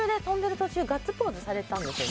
途中ガッツポーズされたんですよね